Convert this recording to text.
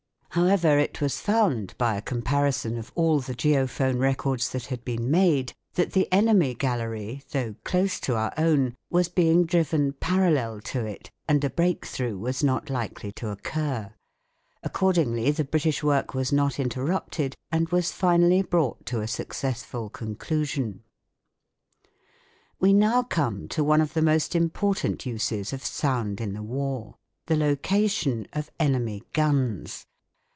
However, it was found, by a comparison of all the geophone records that had been made, that the enemy gallery, though close to our own, was bring driven parallel to it and a break through was not likely to occur. Accordingly the British work was not interrupted, and was finally brought to a successful conclusion. We now come to one of the most important uses of sound in the war: the location of enemy guns.